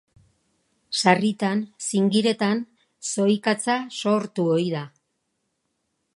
Sarritan zingiretan zohikatza sortu ohi da.